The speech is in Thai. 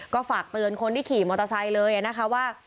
ก็ฝากเตือนคนที่ขี่มอเตอร์ไซค์เลยนะคะว่า